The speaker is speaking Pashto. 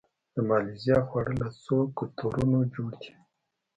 د مالیزیا خواړه له څو کلتورونو جوړ دي.